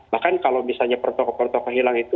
bahkan kalau misalnya protokol protokol hilang itu